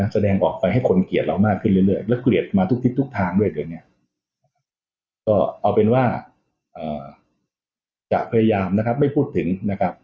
แสดงออกไปให้คนเกลียดเรามากขึ้นเรื่อยแล้วเกลียดมาทุกทิศทุกทางด้วยตัวเองเนี่ยก็เอาเป็นว่าจะพยายามนะครับไม่พูดถึงนะครับ